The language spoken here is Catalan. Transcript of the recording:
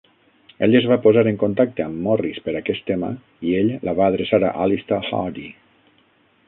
Ella es va posar en contacte amb Morris per aquest tema i ell la va adreçar a Alister Hardy.